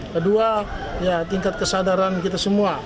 kedua tingkat kesadaran kita semua